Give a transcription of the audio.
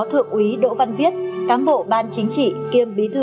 hướng về cơ sở